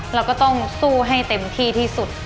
เราก็ต้องสู้ให้เต็มที่ที่สุด